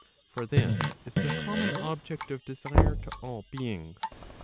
For this isrthe Common object of desire to all beings.